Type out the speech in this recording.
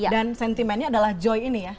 dan sentimennya adalah joy ini ya